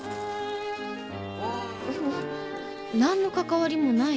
何の関わりもないよ。